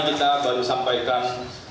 kita baru sampaikan